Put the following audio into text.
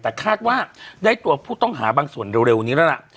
แต่คาดว่าได้ตัวผู้ต้องหาบางส่วนเร็วนี้แล้วล่ะ